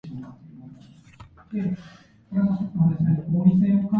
He is currently the Vice President of Baseball Operations.